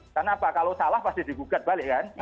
karena apa kalau salah pasti digugat balik kan